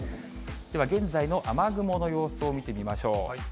では現在の雨雲の様子を見てみましょう。